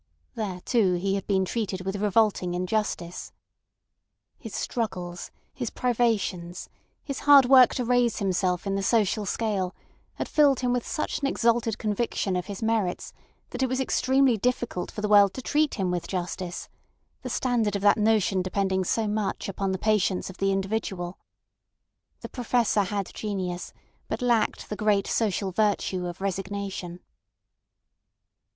There too he had been treated with revolting injustice. His struggles, his privations, his hard work to raise himself in the social scale, had filled him with such an exalted conviction of his merits that it was extremely difficult for the world to treat him with justice—the standard of that notion depending so much upon the patience of the individual. The Professor had genius, but lacked the great social virtue of resignation.